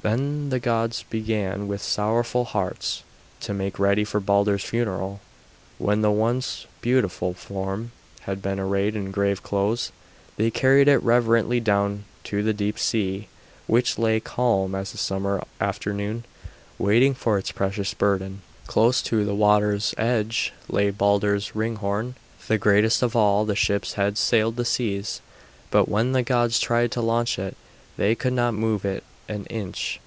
Then the gods began with sorrowful hearts to make ready for Balder's funeral. When the once beautiful form had been arrayed in grave clothes they carried it reverently down to the deep sea, which lay, calm as a summer afternoon, waiting for its precious burden. Close to the water's edge lay Balder's Ringhorn, the greatest of all the ships that sailed the seas, but when the gods tried to launch it they could not move it an inch.